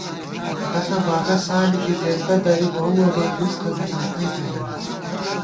یکَتہ باگہ سالِکی، زېنتہ دری بَؤوَہ بہ، رِزقہ نِمَتَئیکہ ژمېم